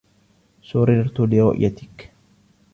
سررتُ لرؤيتكِ.